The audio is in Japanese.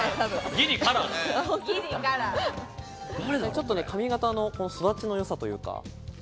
ちょっと髪形の育ちのよさというか。